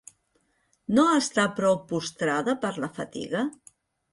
No està prou postrada per la fatiga?